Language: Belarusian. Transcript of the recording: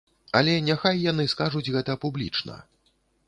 Але няхай яны скажуць гэта публічна.